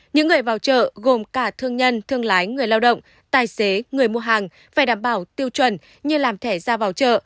những người vào chợ gồm cả thương nhân thương lái người lao động tài xế người mua hàng phải đảm bảo tiêu chuẩn như làm thẻ ra vào chợ